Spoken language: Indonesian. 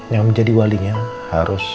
yang menjadi walinya harus